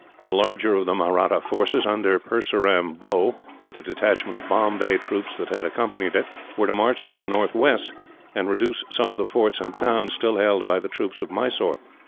The larger of the Mahratta forces, under Purseram Bhow, with a detachment of Bombay troops that had accompanied it, were to march to the northwest, and reduce some of the forts and towns still held by the troops of Mysore.